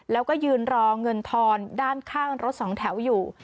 แล้วก็ยืนรอเงินทอนด้านข้างรถสองแถวอยู่